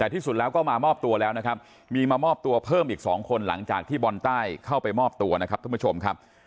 แต่ที่สุดแล้วก็มามอบตัวแล้วนะครับมีมามอบตัวเพิ่มอีก๒คนหลังจากที่บอลใต้เข้าไปมอบตัวนะครับท่านผู้ชมครับ